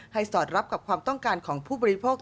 สอดรับกับความต้องการของผู้บริโภค